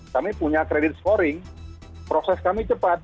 kami punya kredit scoring proses kami cepat